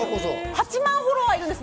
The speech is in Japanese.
８万フォロワーいるんです。